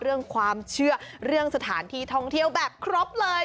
เรื่องความเชื่อเรื่องสถานที่ท่องเที่ยวแบบครบเลย